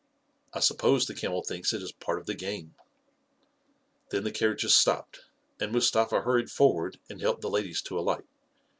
I suppose the camel thinks it is part of the game ! Then the carriages stopped, and Mustafa hur ried forward and helped the ladies to alight.